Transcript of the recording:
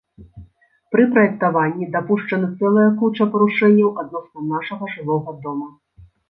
Пры праектаванні дапушчана цэлая куча парушэнняў адносна нашага жылога дома!